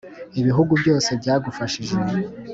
Ibihugu byose byagufashije